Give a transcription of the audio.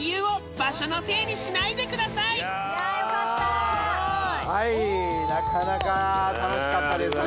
すごいはいなかなか楽しかったですね